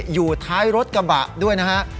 อยู่ท้ายรถกระบะด้วยนะฮะ